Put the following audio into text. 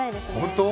本当？